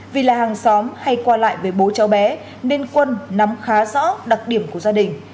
vì là hàng xóm hay qua lại với bố cháu bé nên quân nắm khá rõ đặc điểm của gia đình